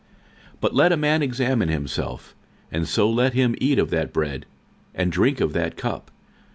46:011:028 But let a man examine himself, and so let him eat of that bread, and drink of that cup.